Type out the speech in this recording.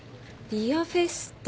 ビアフェスタ。